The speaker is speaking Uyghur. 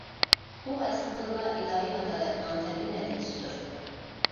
بۇ ئەسلىدىنلا ئىلاھىي ئادالەتنىڭ تەبىئىي نەتىجىسىدۇر.